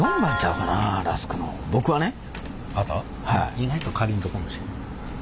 意外とかりんとうかもしれへん。